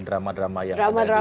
drama drama yang ada di